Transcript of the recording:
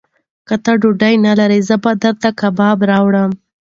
که ته ډوډۍ نه لرې، زه به درته کباب راوړم.